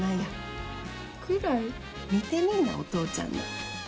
見てみいなお父ちゃんら。